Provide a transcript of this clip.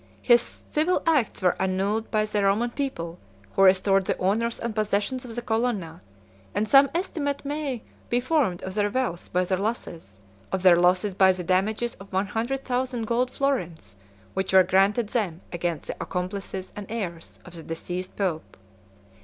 His civil acts were annulled by the Roman people, who restored the honors and possessions of the Colonna; and some estimate may be formed of their wealth by their losses, of their losses by the damages of one hundred thousand gold florins which were granted them against the accomplices and heirs of the deceased pope.